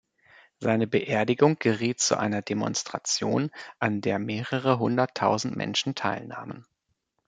Seine Beerdigung geriet zu einer Demonstration, an der mehrere hunderttausend Menschen teilnahmen.